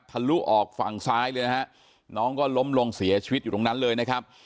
ลุออกฝั่งซ้ายเลยนะฮะน้องก็ล้มลงเสียชีวิตอยู่ตรงนั้นเลยนะครับ